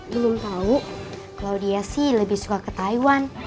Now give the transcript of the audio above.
belum tahu kalau dia sih lebih suka ke taiwan